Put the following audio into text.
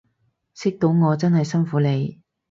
識到我真係辛苦你